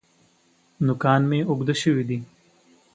نوکان مي اوږده شوي دي .